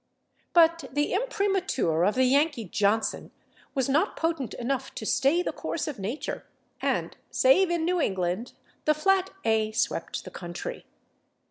But the imprimatur of the Yankee Johnson was not potent enough to stay the course of nature, and, save in New England, the flat /a/ swept the country.